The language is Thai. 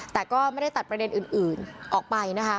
แต่ก็ไม่ได้ตัดประเด็นอื่นออกไปนะคะ